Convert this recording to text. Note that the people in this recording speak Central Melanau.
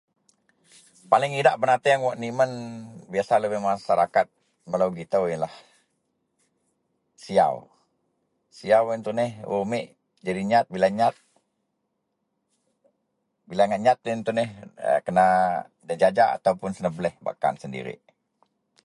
Paling idak benateang wak nimen biyasa lubeng masarakat melo gitau iyenlah siyaw, siyaw iyen tuneh wak umit jadi nyat bila ngak nyat bila ngak nyat iyen tuneh kena nejaja atau senebeleh bak kan sendirik.